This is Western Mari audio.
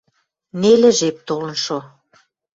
Нелӹ жеп толын шо.